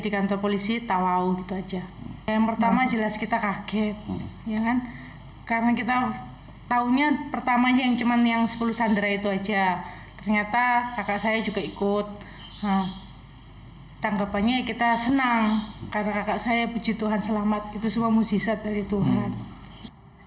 ketiga warga negara indonesia tersebut adalah wandi ismail birahim dan petrus karel edward kaya